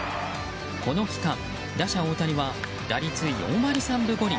この期間、打者・大谷は打率４割３分５厘。